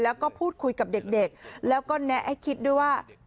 แล้วก็พูดคุยกับเด็กแล้วก็แนะให้คิดด้วยว่า